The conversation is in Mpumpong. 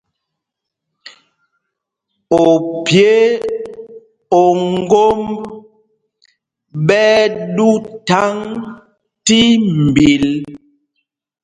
Opyē o ŋgómb ɓɛ́ ɛ́ ɗū thaŋ tí mbil.